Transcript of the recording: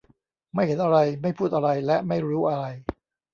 ไม่เห็นอะไร ไม่พูดอะไร และไม่รู้อะไร